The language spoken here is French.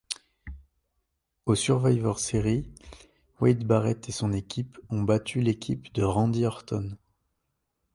Au Survivors Series, Wade Barrett et son équipe ont battu l'équipe de Randy Orton.